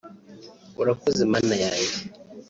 Urakoze Mana yanjye